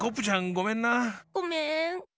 ごめん。